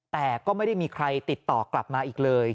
แต่ก็ไม่ได้มีใครติดต่อกลับมาอีกเลย